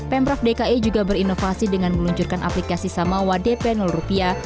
pemprov dki juga berinovasi dengan meluncurkan aplikasi samawa dp rupiah